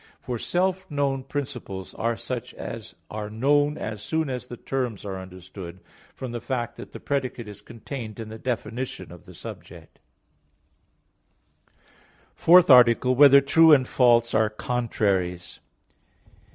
For self known principles are such as are known as soon as the terms are understood, from the fact that the predicate is contained in the definition of the subject. _______________________ FOURTH ARTICLE [I, Q. 17, Art. 4] Whether True and False Are Contraries?